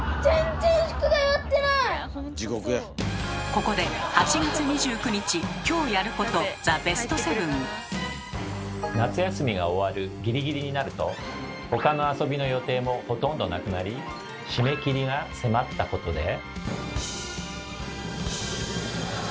ここで夏休みが終わるギリギリになると他の遊びの予定もほとんどなくなり締め切りが迫ったことで。